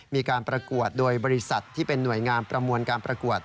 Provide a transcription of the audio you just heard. มีการประกวดโดยบริษัทที่เป็นห่วยงานประมวลการประกวด